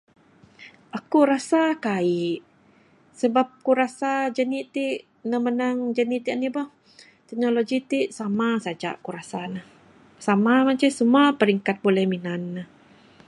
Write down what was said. Aku rasa kaik, sebab ku rasa janik ti ne manang janik ti anih boh, teknologi ti sama saja ku rasa ne. Sama manceh semua peringkat buleh minan ne.